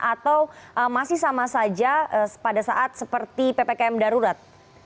atau masih sama saja pada saat seperti ppkm darurat